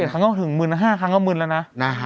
๒๑ครั้งเข้าถึง๑๕๐๐๐ครั้งเข้ามืนแล้วนะ